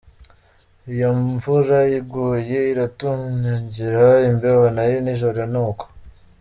Iyo imvura iguye iratunyagira ; imbeho nayo nijoro ni uko.